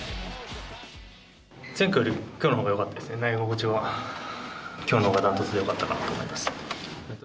前回よりきょうのほうがよかったですね、投げ心地は、きょうのほうが断トツでよかったかなと思いました。